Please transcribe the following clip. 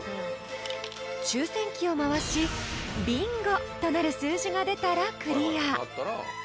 ［抽選器を回しビンゴとなる数字が出たらクリア］